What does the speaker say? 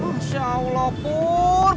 masya allah pur